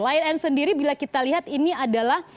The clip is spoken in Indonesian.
lion air sendiri bila kita lihat ini adalah